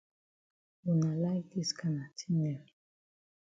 Wuna like dis kana tin dem.